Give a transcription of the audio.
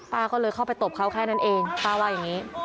ป้าก็เลยเข้าไปตบเขาแค่นั้นเองป้าว่าอย่างนี้